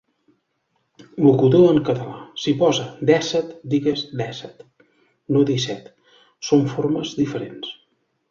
Locutor en català, si posa 'dèsset' digues 'dèsset' i no 'disset'. Són formes diferents.